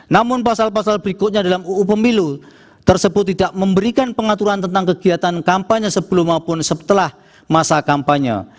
namun pasal pasal berikutnya dalam uu pemilu tersebut tidak memberikan pengaturan tentang kegiatan kampanye sebelum maupun setelah masa kampanye